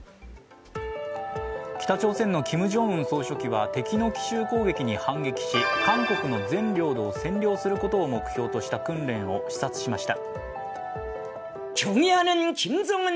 北朝鮮のキム・ジョンウン総書記は敵の奇襲攻撃に反撃し韓国の全領土を占領することを目標とした訓練を視察しました。